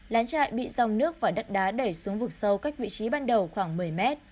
lán chạy bị dòng nước và đất đá đẩy xuống vực sâu cách vị trí ban đầu khoảng một mươi mét